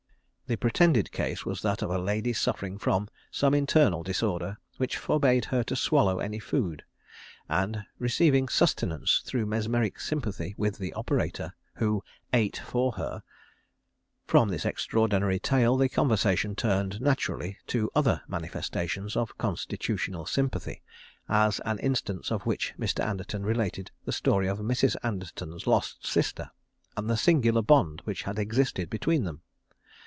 The pretended case was that of a lady suffering from some internal disorder which forbade her to swallow any food, and receiving sustenance through mesmeric sympathy with the operator, who "ate for her." From this extraordinary tale the conversation turned naturally to other manifestations of constitutional sympathy, as an instance of which Mr. Anderton related the story of Mrs. Anderton's lost sister, and the singular bond which had existed between them.